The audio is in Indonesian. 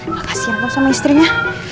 makasih allah sama istrinya